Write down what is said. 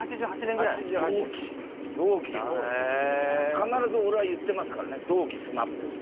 必ず俺は言ってますからね「同期ＳＭＡＰ」って。